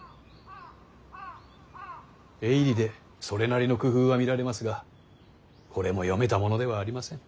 絵入りでそれなりの工夫は見られますがこれも読めたものではありません。